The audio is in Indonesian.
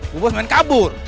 bobas main kabur